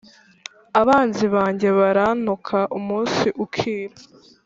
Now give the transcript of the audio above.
Abanzi banjye barantuka umunsi ukira